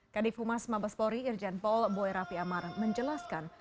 kadif humas mabes pori irjen paul boy rafi amar menjelaskan